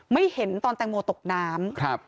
ไม่เห็นตอนแตงโมตกน้ำ